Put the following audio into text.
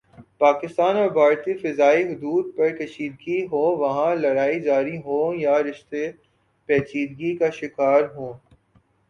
پاکستان اور بھارتی فضائی حدود پر کشیدگی ہو وہاں لڑائی جاری ہوں یا رشتہ پیچیدگی کا شکار ہوں